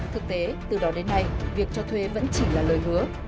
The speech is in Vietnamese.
thực tế từ đó đến nay việc cho thuê vẫn chỉ là lời hứa